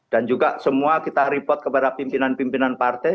dan juga semua kita report kepada pimpinan pimpinan partai